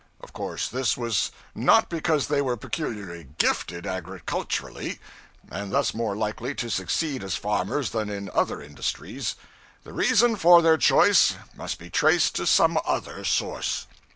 Of course this was not because they were peculiarly gifted, agriculturally, and thus more likely to succeed as farmers than in other industries: the reason for their choice must be traced to some other source.